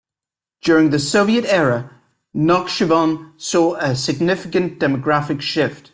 During the Soviet era, Nakhchivan saw a significant demographic shift.